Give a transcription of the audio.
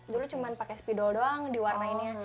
dulu cuma pakai spidol doang diwarnainnya